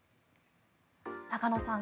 中野さん